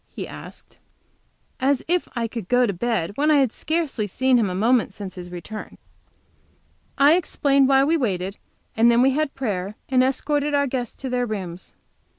he asked. As if I could go to bed when I had scarcely seen him a moment since his return! I explained why we waited, and then we had prayer and escorted our guests to their rooms.